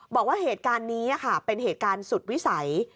บอกว่าเหตุการณ์นี้ค่ะเป็นเหตุการณ์สุดวิสัย